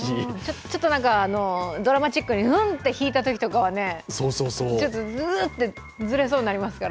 ちょっとドラマチックに、フンっと弾いたときにはズーッとずれそうになりますから。